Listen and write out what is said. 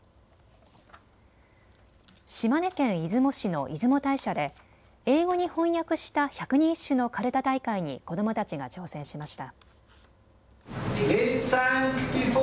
島根県出雲市の出雲大社で英語に翻訳した百人一首のかるた大会に子どもたちが挑戦しました。